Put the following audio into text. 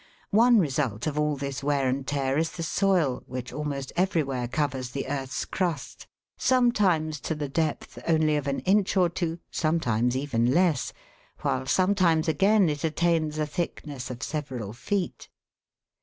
One result of all this wear and tear is the soil which almost everywhere covers the earth's crust, sometimes to the depth only of an inch or two, sometimes even less, while sometimes again it attains a thickness of several feet.